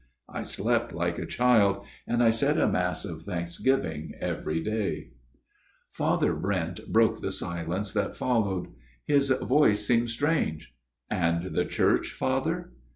" I slept like a child ; and I said a mass of thanksgiving next day/' Father Brent broke the silence that followed. His voice seemed strange. " And the church, Father